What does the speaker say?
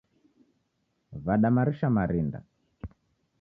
Wada marisha marinda